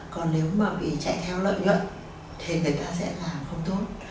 còn nếu mà bị chạy theo lợi nhuận thì người ta sẽ làm không tốt